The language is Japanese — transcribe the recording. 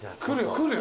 来るよ。